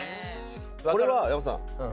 これは山本さん。